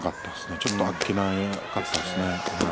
ちょっと、あっけなかったですね。